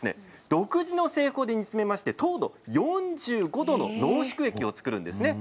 独自の製法で煮詰めまして４５度の濃縮液をつくるんです。